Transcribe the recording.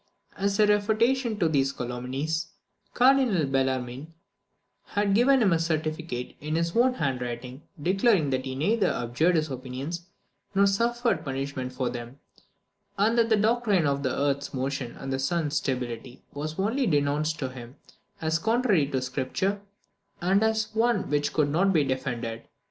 As a refutation of these calumnies, Cardinal Bellarmine had given him a certificate in his own handwriting, declaring that he neither abjured his opinions, nor suffered punishment for them; and that the doctrine of the earth's motion, and the sun's stability, was only denounced to him as contrary to Scripture, and as one which could not be defended.